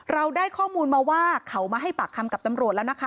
เราได้ข้อมูลมาว่าเขามาให้ปากคำกับตำรวจแล้วนะคะ